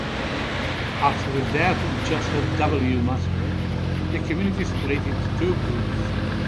After the death of Joseph W. Musser, the community split into two groups.